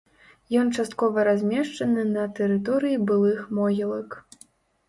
Ён часткова размешчаны на тэрыторыі былых могілак.